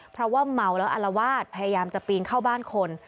เพราะว่าเมาแล้วอารวาสพยายามจะปีนเข้าบ้านคน